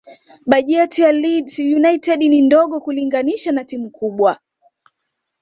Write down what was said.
bajeti ya leeds united ni ndogo kulinganisha na timu kubwa